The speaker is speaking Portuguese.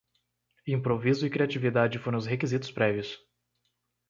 Improviso e criatividade foram os requisitos prévios